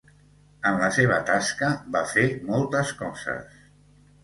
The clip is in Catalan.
En la seva tasca va fer moltes coses.